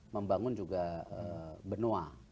membangun juga benua